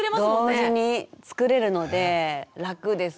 同時に作れるので楽ですね。